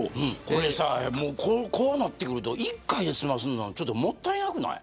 こうなってくると１回で済ますのはもったいなくない。